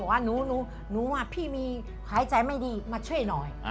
ว่าหนูพี่มีหายใจไม่ดีมาช่วยหน่อย